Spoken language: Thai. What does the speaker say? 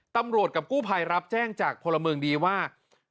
ตำรวจกับกู้ภัยรับแจ้งจากพลเมืองดีว่า